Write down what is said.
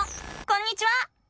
こんにちは！